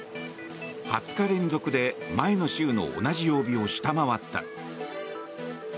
２０日連続で前の週の同じ曜日を下回った。